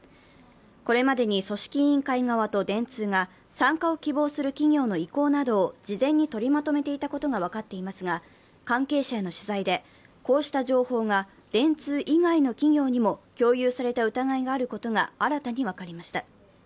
これまでに組織委員会側と電通が参加を希望する企業の意向などを事前に取りまとめていたことが分かっていますが、関係者への取材で、こうした情報が電通以外の企業にも共有された疑いがあることが新たに分かりました。